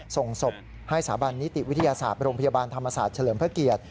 ส่งศพให้สถาบันนิติวิทยาศาสตร์โรงพยาบาลธรรมศาสตร์เฉลิมพระเกียรติ